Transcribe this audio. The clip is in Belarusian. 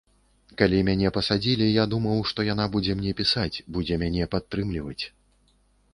Калі мяне пасадзілі, я думаў, што яна будзе мне пісаць, будзе мяне падтрымліваць.